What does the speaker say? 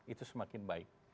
itu semakin baik